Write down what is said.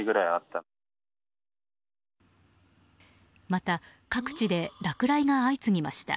また、各地で落雷が相次ぎました。